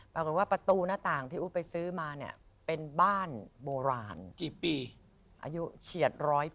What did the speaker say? ปรากฏว่าประตูหน้าต่างที่อู๋ไปซื้อมาเนี่ย